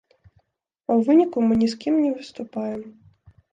А ў выніку мы ні з кім не выступаем.